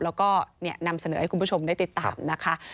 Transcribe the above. แล้วก็นำเสนอให้คุณผู้ชมได้ติดตามนะคะ